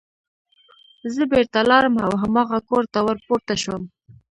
زه بېرته لاړم او هماغه کور ته ور پورته شوم